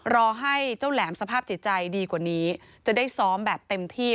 รอให้เจ้าแหลมสภาพจิตใจดีกว่านี้จะได้ซ้อมแบบเต็มที่